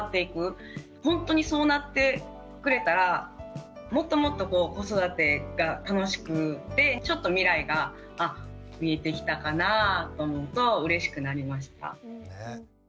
ほんとにそうなってくれたらもっともっと子育てが楽しくてちょっと未来が見えてきたかなぁと思うとうれしくなりました。